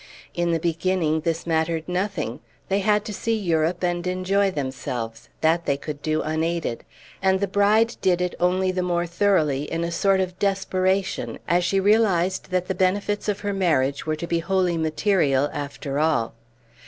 In the beginning this mattered nothing; they had to see Europe and enjoy themselves; that they could do unaided; and the bride did it only the more thoroughly, in a sort of desperation, as she realized that the benefits of her marriage were to be wholly material after all.